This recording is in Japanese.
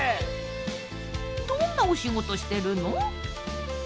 どんなお仕事してるの？